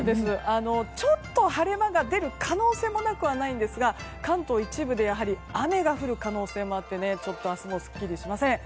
ちょっと晴れ間が出る可能性もなくはないんですが関東一部で雨が降る可能性もあって明日もすっきりしません。